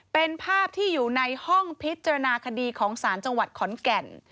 เป็นภาพที่อยู่ในห้องพิจารณาคดีของศาลจังหวัดขอนแก่น